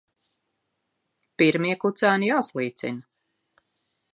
Pirmie kucēni jāslīcina.